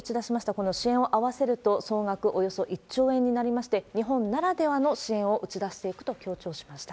この支援を合わせると、総額およそ１兆円になりまして、日本ならではの支援を打ち出していくと強調しました。